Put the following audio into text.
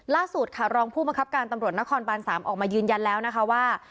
ล่าสุดค่ะรองผู้บังคับการตำรวจนครบาน๓ออกมายืนยันแล้วนะคะว่า